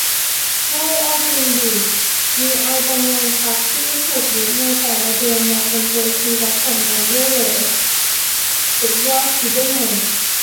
เฮ้ย เอาจิงดิ มีเอาจำนวนพรรคที่ถูกยุบในแต่ละเดือนมาเป็นตัวชี้วัดผลงานด้วยเหรอ สุดยอด คิดได้ไง